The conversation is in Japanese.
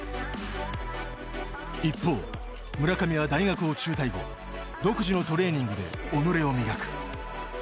一方、村上は大学を中退後独自のトレーニングで己を磨く。